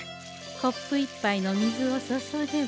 コップ１ぱいの水を注げば。